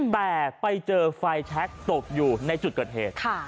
แต่ไปเจอไฟแชคตกอยู่ในจุดเกิดเหตุ